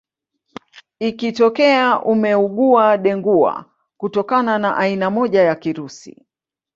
Ikitokea umeugua Dengua kutokana na aina moja ya kirusi